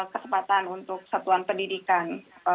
kesempatan untuk satuan pendidikan